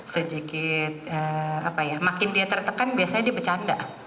sedikit apa ya makin dia tertekan biasanya dia bercanda